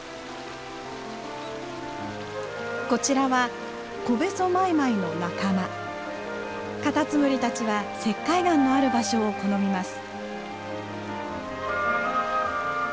こちらはカタツムリたちは石灰岩のある場所を好みます。